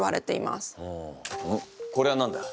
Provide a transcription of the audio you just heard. これは何だ？